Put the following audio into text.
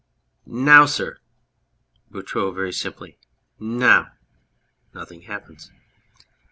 Now, sir. BOUTROUX (very simply). Now ! (Nothing happens.)